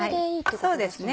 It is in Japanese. そうですね。